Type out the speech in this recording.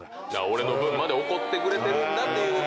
俺の分まで怒ってくれてるんだ。